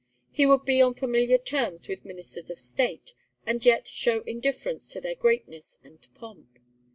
He would be on familiar terms with Ministers of State, and yet show indifference to their greatness and pomp.